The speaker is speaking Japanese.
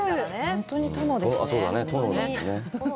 本当に殿ですね。